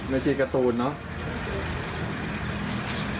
อ๋อแม่ชีการ์ตูนเนาะ